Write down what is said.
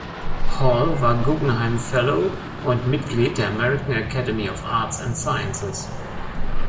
Hall war Guggenheim Fellow und Mitglied der American Academy of Arts and Sciences.